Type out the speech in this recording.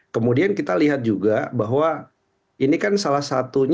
kemudian kita lihat juga bahwa ini kan salah satunya